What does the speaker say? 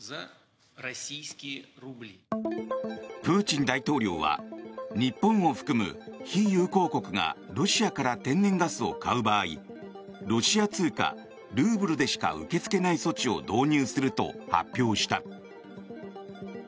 プーチン大統領は日本を含む非友好国がロシアから天然ガスを買う場合ロシア通貨ルーブルでしか受け付けない措置を導入すると発表した。